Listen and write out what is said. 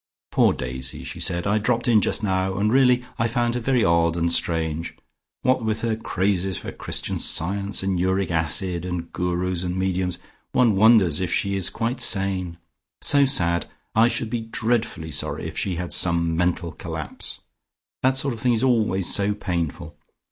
"Poor Daisy!" she said. "I dropped in just now, and really I found her very odd and strange. What with her crazes for Christian Science, and Uric Acid and Gurus and Mediums, one wonders if she is quite sane. So sad! I should be dreadfully sorry if she had some mental collapse; that sort of thing is always so painful.